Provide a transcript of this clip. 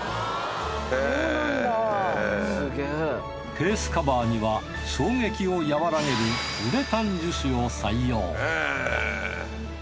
ケースカバーには衝撃を和らげるウレタン樹脂を採用